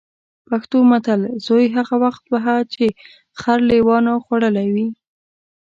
پښتو متل: زوی هغه وخت وهه چې خر لېوانو خوړلی وي.